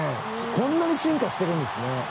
こんなに進化してるんですね。